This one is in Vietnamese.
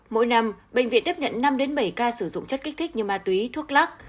mỗi năm bệnh viện tiếp nhận năm bảy ca sử dụng chất kích thích như ma túy thuốc lắc